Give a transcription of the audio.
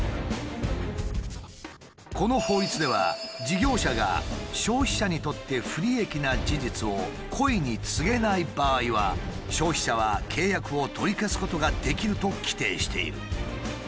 この法律では事業者が消費者にとって不利益な事実を故意に告げない場合は消費者は契約を取り消すことができると規定している。